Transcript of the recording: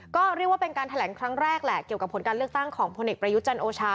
ก็เรียกว่าเป็นการแถลงครั้งแรกแหละเกี่ยวกับผลการเลือกตั้งของพลเอกประยุทธ์จันทร์โอชา